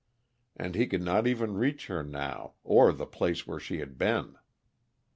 And he could not even reach her now or the place where she had been!